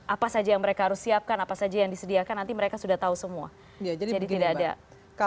apa saja yang mereka harus siapkan apa saja yang disediakan nanti mereka sudah tahu semua